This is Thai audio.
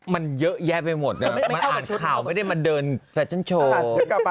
มันเยอะแยะไปหมดนะมาอ่านข่าวไม่ได้มาเดินแฟชั่นโชว์